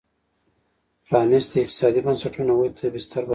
پرانیستي اقتصادي بنسټونه ودې ته بستر برابروي.